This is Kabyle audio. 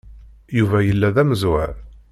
Yuba yella d amezwar.